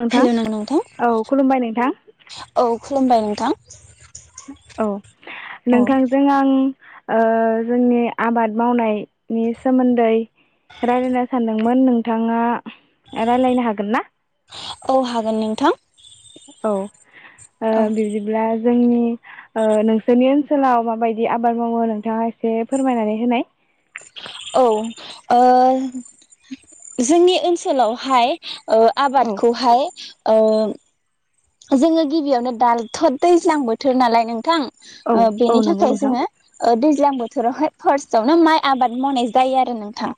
नोंथां हेल' नों नोंथां, औ खुलुमबाय नोंथां औ खुलुमबाय नोंथां। औ औ नोंथांजों आं ओ जोंनि आबाद मावनायनि सोमोन्दै रायलायनो सानदोंमोन नोंथाङा रायलायनो हागोन ना औ हागोन नोंथां औ औ ओ बिदिब्ला जोंनि ओ नोंसोरनि ओनसोलाव माबायदि आबाद मावो नोंथाङा एसे फोरमायनानै होनाय औ ओ जोंनि ओनसोलावहाय ओ औ आबादखौहाय ओ जोङो गिबियावनो दालथ' दैज्लां बोथोर नालाय नोंथां औ ओ औ बेनि नंगौ थाखाय नोंथां जोङो दै दैज्लां बोथोरावहाय फार्स्टआवनो माइ आबाद मावनाय जायो आरो नोंथां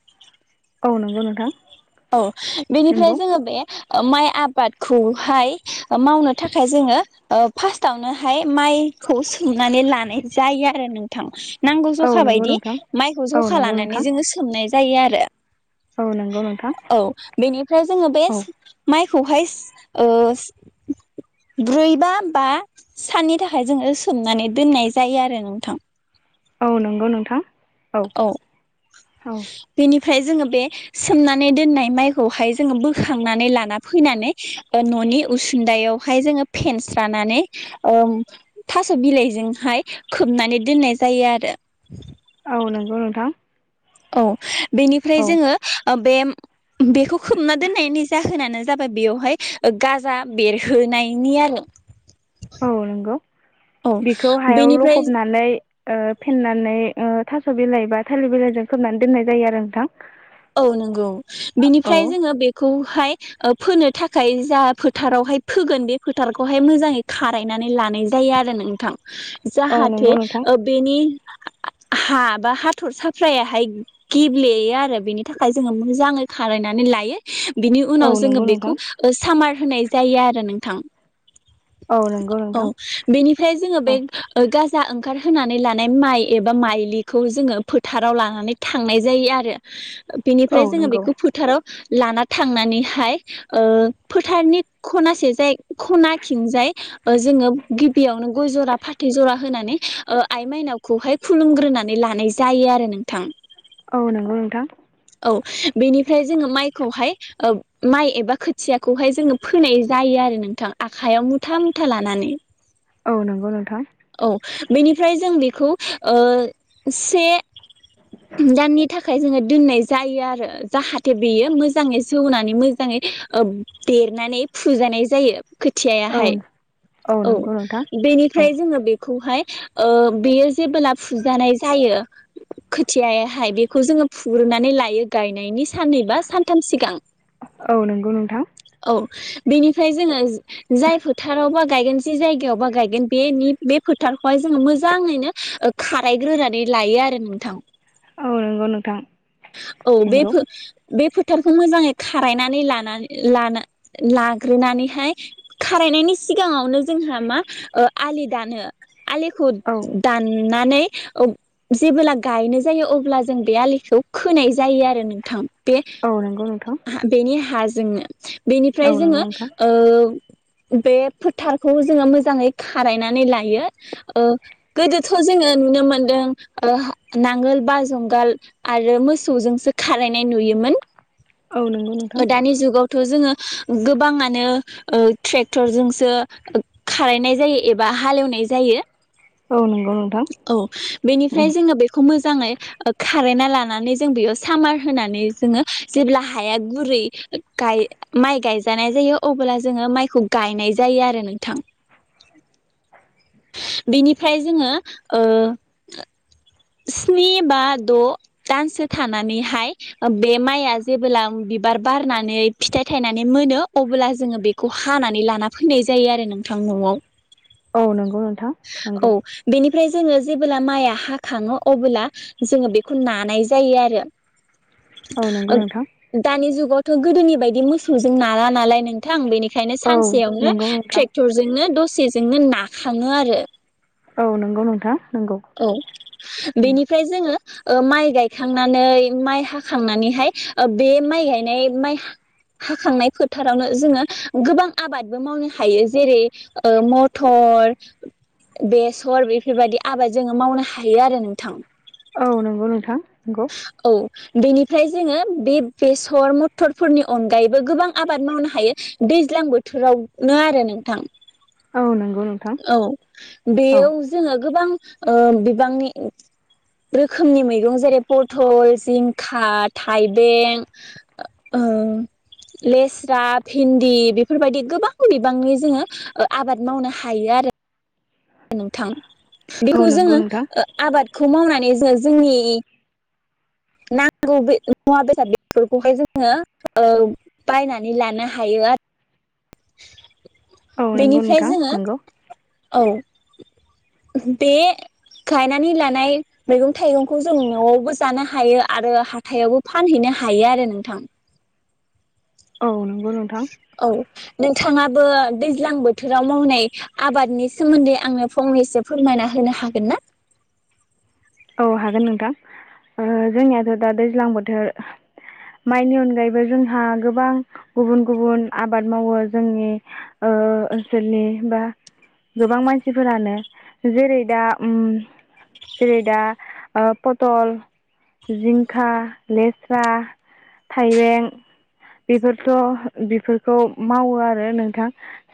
औ नंगौ नोंथां औ बेनिफ्राय नंगौ जोङो बे माइ आबादखौहाय मावनो थाखाय जोङो फार्स्टावनोहाय माइखौ सोमनानै लानाय जायो आरो नोंथां नांगौ औ जखा नंगौ बायदि नोंथां माइखौ औ जखा नंगौ लानानै नोंथां जोङो सोमनाय जायो आरो औ नंगौ नोंथां औ बेनिफ्राय जोङो बे औ माइ खौहाय ओ ब्रै बा बा साननि थाखाय जोङो सोमनानै दोननाय जायो आरो नोंथां औ नंगौ नोंथां औ औ फ्राय जोङो बे सोमनानै दोननाय माइखौहाय जोङो बोखांनानै लाना फैनानै ओ न'नि उसुन्दायावहाय जोङो फेनस्रानानै ओ थास' बिलाइजोंहाय खोबनानै दोननाय जायो आरो औ नंगौ नोंथां औ बेनिफ्राय औ जोङो ओ बे बेखौ खोबना दोननायनि जाहोनानो जाबाय बेवहाय गाजा बेरहोनायनि आरो औ नंगौ औ बेखौ हायाव बेनिफ्राय लखबनानै ओ फेननानै ओ थास' बिलाइ बा थालिर बिलाइजों खोबनानै दोननाय जायो आरो नोंथां औ नंगौ औ बिनिफ्राय जोङो बेखौहाय फोनो थाखाय जा फोथारावहाय फोगोन बे फोथारखौहाय मोजाङै खारायनानै लानाय जायो आरो नोंथां। औ नंगौ जाहाथे नोंथां ओ बेनि हा बा हाथर साफ्रायाहाय गेब्लेयो आरो बिनि थाखाय जोङो मोजाङै खारायनानै लायो बिनि उनाव औ जोङो नंगौ नोंथां बेखौ सामार होननाय जायो आरो नोंथां औ नंगौ औ नोंथां बेनिफ्राय जोङो औ बे गा जा ओंखारहोनानै लानाय माइ एबा माइलिखौ जोंङो फोथाराव लानानै थांनाय जायो आरो। औ बिनिफ्राय जोंङो नंगौ बेखौ फोथाराव लाना थांनानैहाय ओ फोथारनि खनासे जाय खना खिंजाय जोंङो गिबियावनो गय जरा फाथै जरा होनानै ओ आइ माइनावखौहाय खुलुमग्रोनानै लानाय जायो आरो नोंथां। औ नंगौ नोंथां। औ बेनिफ्राय जोंङो माइखौहाय ओ माइ एबा खोथियाखौहाय जोंङो फोनाय जायो आरो नोंथां आखायाव मुथा मुथा लानानै। औ नंगौ नोंथां। औ बेनिफ्राय जों बेखौ ओ से दाननि था खाय जोंङो दोननाय जायो आरो जाहाथे बेयो मोजांङै जौनानै मोजांङै ओ बेरनानै फुजानाय जायो। औ खोथियायाहाय औ नंगौ नोंथां औ बेनिफ्राय जोंङो बेखौहाय ओ बेयो जेबोला फुजानाय जायो खोथियायाहाय बेखौ जोंङो फुग्रोननानै लायो गायनायनि साननै बा सानथाम सिगां औ नंगौ नोंथां। औ बेनिफ्राय जोंङो जो जाय फोथाराव बा गायगोन जि जायगायावबा गायगोन बे निद बे फोथारखौहाय जोंङो मोजांङैनो खारायग्रोनानै लायो आरो नोंथां। औ नंगौ नोंथां। औ बे नंगौ फो बे फो थारखौ मोजांङै खारायनानै लानानै लानो लाग्रोनानैहाय खारायनायनि सिगांङावनो जोंहा मा आलि दानो। आलिखौ औ दान नानै ओ जेबोब्ला गायनो जायो अब्ला जों बे आलिखौ खोनाय जायो आरो नोंथां। बेह औ नंगौ नोंथां हा बेनि हा हाजोंनो औ बेनिफ्राय नंगौ जोंङो नोंथां ओ बे फोथारखौ जोंङो मोजांङै खारायनानै लायो ओ गोदोथ' जोंङो नुनो मोनदों ओ नांगोल बा जुंगाल आरो मोसौजोंसो खारायनाय नुयोमोन। औ नंगौ ओ नोंथां दानि जुगावथ' जोंङो गोबांङानो ओ ट्रेक्टरजोंसो खारायनाय जायो एबा हालेवनाय जायो। औ नंगौ नोंथां औ बेनिफ्राय जोंङो बेखौ मोज जांङै खारायना लानानै जों बेयाव सामार होनानै जोंङो जेब्ला हा हाया गुरै गाइ माइ गायजानाय जायो अब्ला जोंङो माइखौ गायनाय जायो आरो नोंथां। बेनिफ्राय जोंङो ओ स्नि, बा द' दानसो थानानैहाय बे माइआ जेबोब्ला बिबार बारनानै फिथाइ थायनानै मोनो अब्ला जोंङो बेखौ हानानै लाना फैनाय जायो आरो नोंथां न'आव। औ नंग गौ नोंथां नंगौ। फ्राय जोंङो जेबोला माइआ हाखांङो अबोला जोंङो बेखौ नानाय जायो आरो। औ नंगौ ओग नोंथां दानि जुगाव थ' गोदोनि बायदि मोसौजों नाला नालाय नों थां बेनिखायनो औ सानसेयावनो नंगौ नोंथां ट्रेक्टरजोंनो दसे जोंनो नाखांङो आरो। औ नंगौ नोंथां। नंगौ औ बेनिफ्राय जोंङो ओ माइ गायखांनानै माइ हाखांनानैहाय ओ बे माइ गायनाय माइ हाखांनाय फोथारावनो जोंङो गोबां आबादबो मावनो हायो। जेरै ओ मथर बेसर बेफोरबादि आबाद जोंङो मावनो हायो आरो नोंथां। औ नंगौ नोंथां। नंगौ औ बेनिफ्राय जोंङो बे बेसर मथरफोरनि अनगायैबो गोबां आबाद मावनो हायो दैज्लां बोथोरावनो आरो नोंथां। औ नंगौ नोंथां औ औ बेयव जोंङो गोबां ओ बिबांनि रोखोमनि मैगं जेरै पथल जिंखा थाइबें ओ लेस्रा भिन्दि बेफोरबायदि गोबां बिबांनि जोंङो ओ आबाद मावनो हायो आरो नोंथां। औ बेखौ नंगौ जोंङो नोंथां ओ आबाद खौ मावनानै जोंङो जोंनि नांगौ बे मुवा बेसाद बेफोरखौहाय जोंङो बायनानै लानो हायो आरो। औ नंगौ बेनिफ्राय नोंथां जोङो नंगौ। औ बे गायनानै लानाय मैगं थाइगंखौ जों न'आवबो जानो हायो आरो हाथायावबो फानहैनो हायो आरो नोंथां। औ नंगौ नोंथां। औ नोंथांङाबो दैज्लां बोथोराव मावनाय आबादनि सोमोन्दै आंनो फंनैसो फोरमायना होनो हागोन ना? औ हागोन नोंथां ओ जोंनियाथ' दा दैज्लां बोथोर माइनि अनगायैबो जोंहा गोबां गुबुन गुबुन आबाद मावो जोंनि ओ ओनसोलनि बा गोबां मानसिफोरानो जेरै दा उम जेरै दा ओ पथल, जिंखा, लेस्रा, थाइबें बेफोरथ' बेफोरखौ मावो आरो नोंथां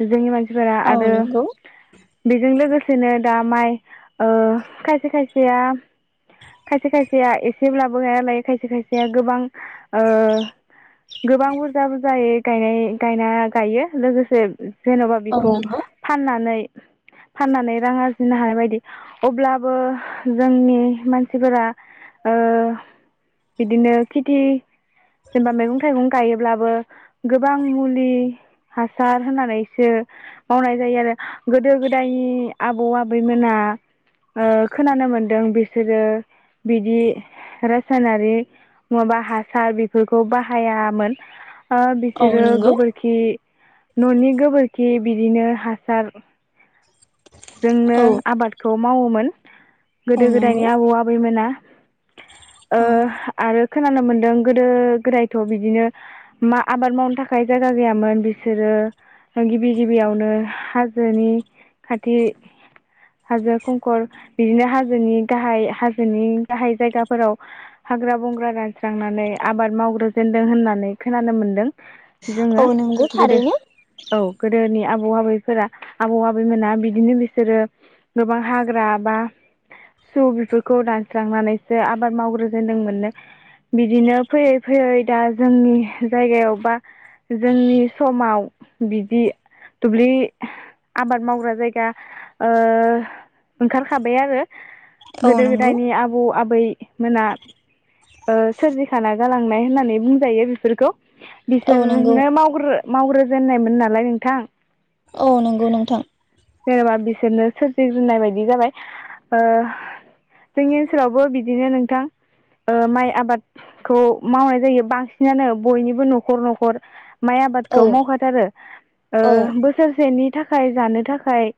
जोंनि मान फोरा औ आरो नंगौ बेजों लोगोसेनो दा माइ ओ खायसे खायसे सेया खायसे खायसेया एसेब्लाबो गायना लायो खायसे खायसेया गोबां ओ गोबां बुरजा बुरजायै गायनाय गायना गायो लोगोसे जेन'बा औ बेखौ नंगौ फाननानै फाननानै रां आरजिनो हानाय बायदि अब्लाबो जोंनि मानसिफोरा ओ बिदिनो खेथि जेनेबा मैगं थाइगं गायोब्लाबो गोबां मुलि हासार होननानैसो मावनाय जायो आरो। गोदो गोदायनि आबौ आबै मोना ओ खोनानो मोनो दों बिसोरो बिदि रासायनारि माबा हासार बेफोरखौ बाहायामोन। ओ औ बिसोरो नंगौ गोबोरखि न'नि गोबोरखि बिदिनो हासार जोंनो औ आबादखौ मावोमोन। यो औ गोदो गोदायनि नंगौ आबौ आबैमोना ओ औ आरो खोनानो मोनदों गोदो गोदायथ' बिदिनो मा आबाद मावनो थाखाय जायगा गैयामोन बिसोरो गिबि गिबियावनो हाजोनि खाथि हाजो खंखर बिदिनो हाज जोनि गाहाय हाजोनि गाहाय जायगाफोराव हाग्रा बंग्रा रानस्रांनानै आबाद मावग्रोजेनदों होननानै खोनानो मोनदों। औ जोंङो नंगौ गोदो थारैनो औ गोदोनि आ बौ आबैफोरा आबौ आबैमोना बिदिनो बिसोरो गोबां हाग्रा बा स बेफोरखौ दानस्रांनानैसो आबाद मावग्रोजेनदों मोनो बिदिनो फैयै फैयै दा जोंनि जायगायाव बा जोंनि समाव बिदि दुब्लि आबाद मावग्रा जायगा ओ ओंखारखाबाय आरो औ गोदो नंगौ गोदायनि आबौ आ बै मोना ओ सोरजिखाना गालांनाय होननानै बुंजायो बेफोरखौ औ नंगौ बिसोरनो मावग्रो मावग्रो जेननायमोन नालाय नोंथां औ नंगौ नोंथां जेनेबा बिसोरनो सोरजिग्रोनाय बायदि जाबाय ओ जोंनि ओनसोलावबो बिदिनो नोंथां ओ माइ आबादखौ मावनाय जायो बांसिनानो बयनिबो न'खर न'खर ओ माइ औ आबादखौ मावखाथारो ओ औ बोसोरसेनि थाखाय जानो थाखाय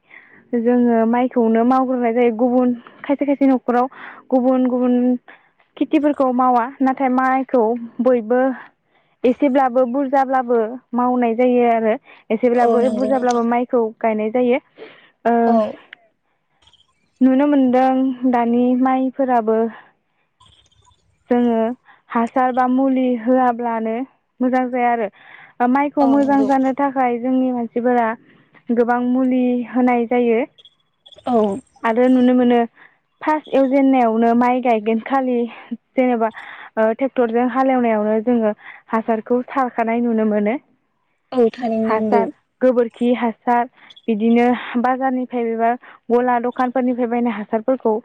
जोङो माइखौनो मावग्रोनाय जायो गुबुन खायसे खायसे न'खराव गुबुन गुबुन खेथिफोरखौ मावा नाथाय माइखौ बयबो एसेब्लाबो बुरजाब्लाबो मावनाय जायो आरो औ एसेब्लाबो नंगौ नोंथां बुरजाब्लाबो माइखौ गायनाय जायो ओ औ नुनो मोनदों दानि माइफोराबो जोङो हासार बा मुलि होआब्लानो मोजां जाया आरो माइखौ औ मोजां नंगौ जानो थाखाय जोंनि मानसिफोरा गोबां मुलि होनाय जायो औ आरो नुनो मोनो फार्स्ट एवजेननायावनो माइ गायगोन खालि जेनेबा ओ ट्रेक्टरजों हालेवनायावनो जोङो हासारखौ सारखानाय नुनो मोनो औ थारैनो नंगौ खि हासार बिदिनो बाजारनिफ्राय बेबा गला दख खानफोरनिफ्राय बायनाय हासारफोरखौ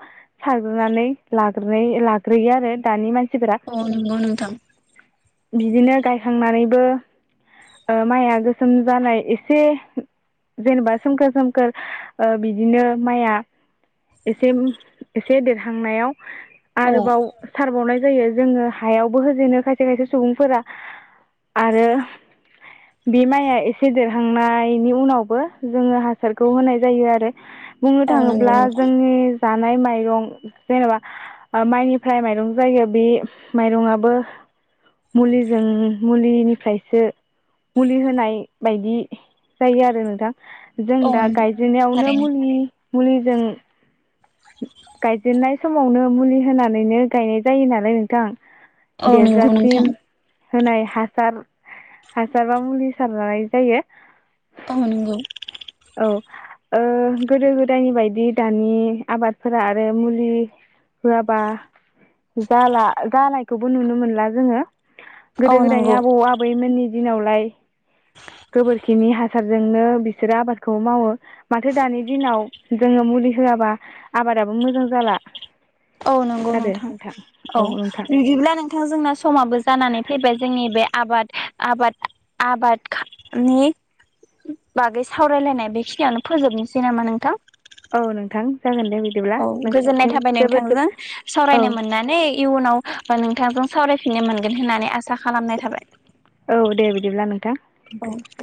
सारग्रोनानै लाग्रोनाय लाग्रोयो आरो दानि मानसि अ नंगौ नोंथां बिदिनो गायखांनानैबो ओ माइया गोसोम जानाय एसे जेनेबा सोमखोर सोमखोर ओ बिदिनो माइया एसे एसे देरहांनायाव औ आरोबाव सारबावनाय होयो जोङो हायावबो होजेनो खायसे खायसे सुबुंफोरा आरो बे माइआ एसे देरहांनायनि उनावबो जोङो हासारखौ होनाय जायो आरो औ नंगौ थाङोब्ला नोंथां जोंनि जानाय माइरं जेनेबा माइनिफ्राय माइरं जायो बे माइरंआबो मुलिजों मुलि निफ्रायसो मुलि होनाय बायदि जायो आरो नोंथां जों औ दा नंगौ गायजेननायावनो थारैनो मुलि मुलिजों गायजेननाय समावनो मुलि होनानैनो गायनाय जायो नालाय नोंथां औ नंगौ देरजासिम नोंथां होनाय हासार हासाराव मुलि सारनाय जायो। औ नंगौ। औ ओ गोदो गो जायनि बायदि दानि आबादफोरा आरो मुलि होआबा जाला जानायखौबो नुनो मोनला जोङो औ गोदो गोदायनि नंगौ आबौ आबैमोननि दिनावलाय गोबोरखिनि हासारजोंनो बिसोरो आबादखौ मावो माथो दानि दिनाव जोङो मुलि होआबा आबादाबो मोजां जाला। औ नंगौ नोंथां औ बिदिब्ला नोंथां जोंना समाबो जानानै फैबाय जोंनि बे आबाद आबाद आबादनि बागै सावरायलायनाय बेखिनियावनो फोजोबनोसै नामा नोंथां? औ नोंथां जागोन। दे बिदिब्ला औ गोजोननाय नोंथांसिम थाबाय जोबोद नोंथांजों औ सावरायनो मोननानै इयुनाव नोंथांजों सावरायफिननो मोनगोन होननानै आसा खालामनाय थाबाय औ दे बिदिब्ला नोंथां औ गोजोन